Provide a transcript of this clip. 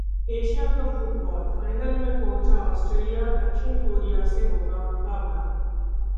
Asia cup football final में पहुंचा Australia, दक्षिण कोरिया से होगा मुकाबला